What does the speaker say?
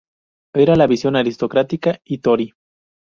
Era la visión aristocrática y tory.